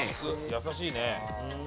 優しいね。